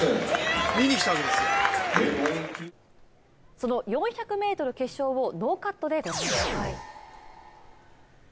その４００ｍ決勝をノーカットでご覧ください。